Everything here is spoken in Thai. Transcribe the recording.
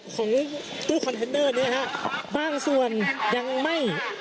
คุณภูริพัฒน์บุญนิน